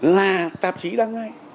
là tạp chí đăng ngay